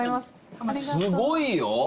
すごいよ！